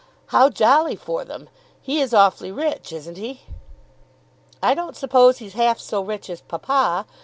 "How jolly for them! He is awfully rich, isn't he?" "I don't suppose he's half so rich as papa.